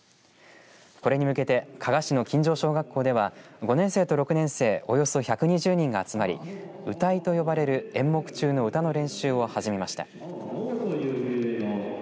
これに向けて加賀市の錦城小学校では５年生と６年生およそ１２０人が集まり謡と呼ばれる演目中の歌の練習を始めました。